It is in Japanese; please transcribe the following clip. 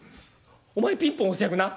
お前ピンポン押す役な。